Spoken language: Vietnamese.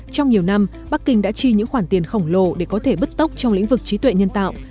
trong nhiều năm bắc kinh đã chi những khoản tiền khổng lồ để có thể bứt tốc trong lĩnh vực trí tuệ nhân tạo